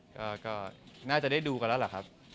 ก็น่าจะได้ดูกันแล้วล่ะครับ